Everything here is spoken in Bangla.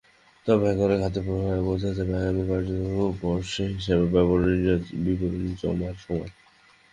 তবে আয়কর খাতের প্রভাব বোঝা যাবে আগামী করবর্ষে হিসাব বিবরণী জমার সময়।